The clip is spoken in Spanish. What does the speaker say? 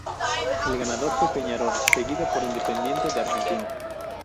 El ganador fue Peñarol, seguido por Independiente de Argentina.